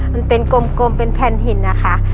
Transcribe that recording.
มันเป็นกลมเป็นแผ่นหินนะคะ